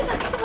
sa kenapa sa